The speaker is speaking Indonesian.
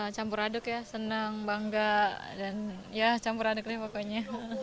campur aduk ya senang bangga dan ya campur aduknya pokoknya